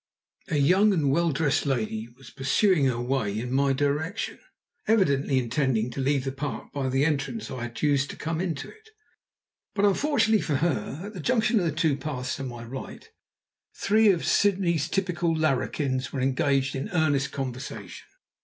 A young and well dressed lady was pursuing her way in my direction, evidently intending to leave the park by the entrance I had used to come into it. But unfortunately for her, at the junction of two paths to my right, three of Sydney's typical larrikins were engaged in earnest conversation.